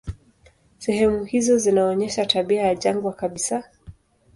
Sehemu hizo zinaonyesha tabia ya jangwa kabisa.